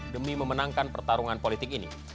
demi memenangkan pertarungan politik ini